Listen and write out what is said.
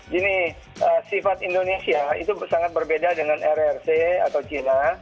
gini sifat indonesia itu sangat berbeda dengan rrc atau china